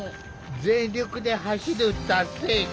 全力で走る達成感。